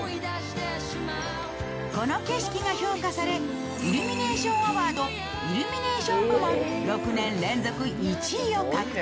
この景色が評価されイルミネーションアワードイルミネーション部門６年連続１位を獲得。